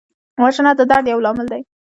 وژنه د درد یو لامل دی